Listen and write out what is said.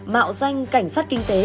mạo danh cảnh sát kinh tế